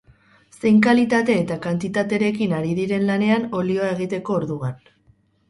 Zein kalitate eta kantitaterekin ari diren lanean, olioa egiteko orduan.